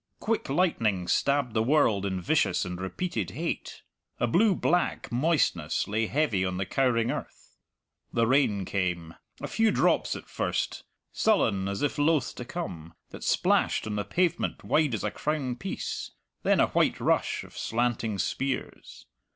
Quick lightning stabbed the world in vicious and repeated hate. A blue black moistness lay heavy on the cowering earth. The rain came a few drops at first, sullen, as if loath to come, that splashed on the pavement wide as a crown piece; then a white rush of slanting spears.